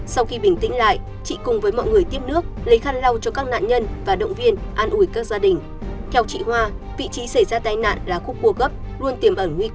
sau khi bình tĩnh lại chị cùng với mọi người tiếp nước lấy khăn lau cho các nạn nhân và động viên an ủi các gia đình